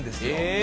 「え！」